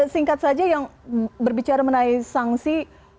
singkat saja yang berbicara mengenai sanksi